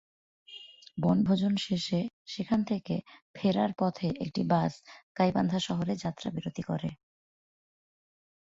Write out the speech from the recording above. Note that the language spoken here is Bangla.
বনভোজন শেষে সেখান থেকে ফেরার পথে একটি বাস গাইবান্ধা শহরে যাত্রাবিরতি করে।